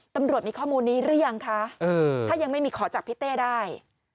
ตำรวจมีข้อมูลนี้หรือยังคะถ้ายังไม่มีขอจับพี่เต้ได้